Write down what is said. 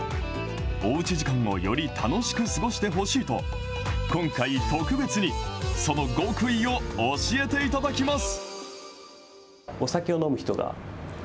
おうち時間をより楽しく過ごしてほしいと、今回、特別にその極意を教えていただきます。